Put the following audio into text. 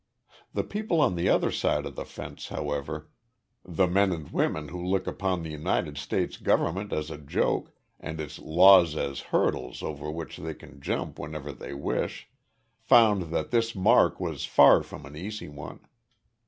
The people on the other side of the fence, however, the men and women who look upon the United States government as a joke and its laws as hurdles over which they can jump whenever they wish found that this Mark was far from an easy one.